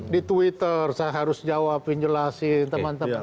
di twitter saya harus jawabin jelasin teman teman